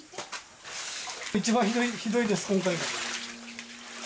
一番ひどいです、今回が。